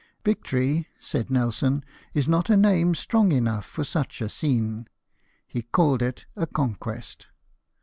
'' Vic tory," said Nelson, " is not a name strong enough for such a scene ;" he called it a conquest.